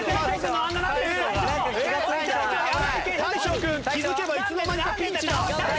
大昇君気づけばいつの間にかピンチだ。